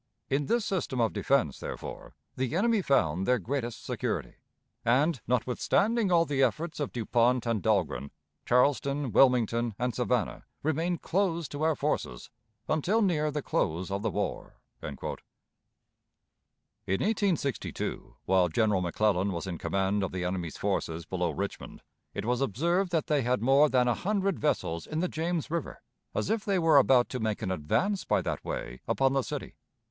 In this system of defense, therefore, the enemy found their greatest security; and, notwithstanding all the efforts of Du Pont and Dahlgren, Charleston, Wilmington, and Savannah remained closed to our forces until near the close of the war." In 1862, while General McClellan was in command of the enemy's forces below Richmond, it was observed that they had more than a hundred vessels in the James River, as if they were about to make an advance by that way upon the city.